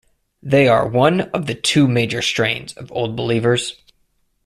They are one of the two major strains of Old Believers.